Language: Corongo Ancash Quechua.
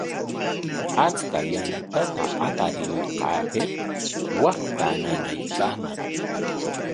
Achka yantata aparinqaapik waqtaa nanaykaaman.